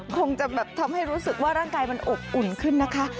ถูกจะทำให้รู้สึกร่างกายมันอุ่นนะคะ